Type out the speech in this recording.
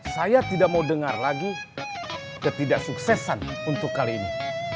saya tidak mau dengar lagi ketidaksuksesan untuk kali ini